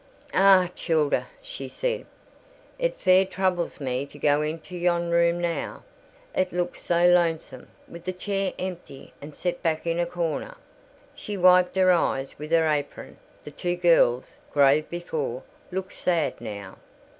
"Ah, childer!" said she, "it fair troubles me to go into yond' room now: it looks so lonesome wi' the chair empty and set back in a corner." She wiped her eyes with her apron: the two girls, grave before, looked sad now.